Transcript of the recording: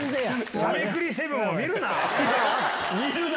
しゃべくり００７を見るな。